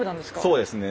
そうですね